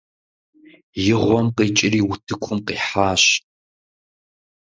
И гъуэм къикӀри утыкум къихьащ.